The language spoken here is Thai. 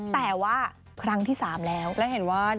แต่ว่าครั้งที่๓แล้ว